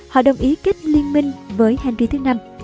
họ đồng ý kết liên minh với henry v